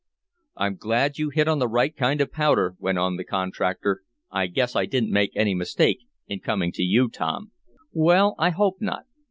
"I'm glad you hit on the right kind of powder," went on the contractor. "I guess I didn't make any mistake in coming to you, Tom." "Well, I hope not.